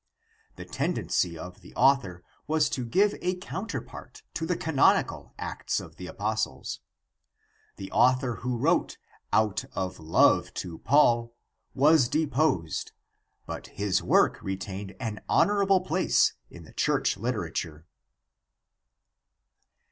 The tendency of the author was to give a counterpart to the canonical Acts of the Apostles. The author who wrote " out of love to Paul " was deposed, but his work retained an honorable place in the Church liter ature.